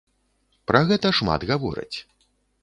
Пра гэта шмат гавораць.